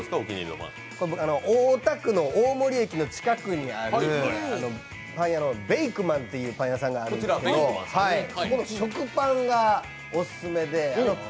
大田区の大森駅の近くにあるパン屋のベイクマンというパン屋さんがあるんですけど、そこの食パンがオススメで。